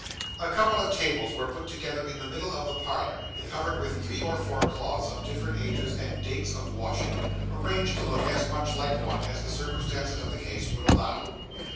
A couple of tables were put together in the middle of the parlour, covered with three or four cloths of different ages and dates of washing, arranged to look as much like one as the circumstances of the case would allow.